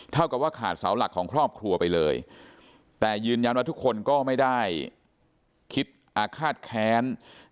เท่ากับว่าขาดเสาหลักของครอบครัวไปเลยแต่ยืนยันว่าทุกคนก็ไม่ได้คิดอาฆาตแค้น